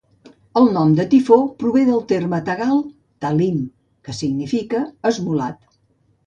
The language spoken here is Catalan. El nom del tifó prové del terme tagal "Talim", que significa "esmolat".